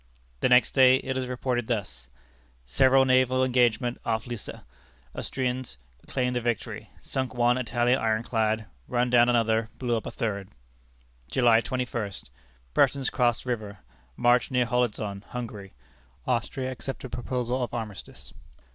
The next day it is reported thus: "Severe naval engagement off Lissa. Austrians claim the victory. Sunk one Italian iron clad, run down another, blew up a third." "July 21st. Prussians crossed river; march near Holitzon, Hungary. Austria accepted proposal of armistice.